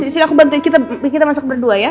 sini aku bantuin kita masak berdua ya